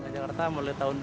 jakarta mulai tahun dua ribu